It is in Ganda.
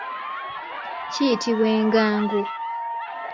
Kiyitibwa engango.